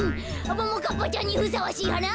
「ももかっぱちゃんにふさわしいはな」